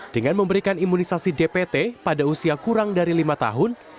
dengan memberikan imunisasi dpt pada usia kurang dari lima tahun